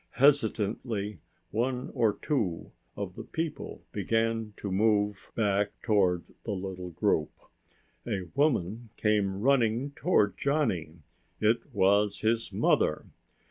Hesitantly, one or two of the people began to move back toward the little group. A woman came running toward Johnny. It was his mother.